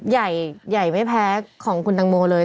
ใหญ่ใหญ่ไม่แพ้ของคุณตังโมเลย